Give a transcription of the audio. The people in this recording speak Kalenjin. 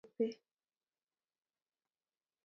Urerendos njirenik, irobochi eunek bek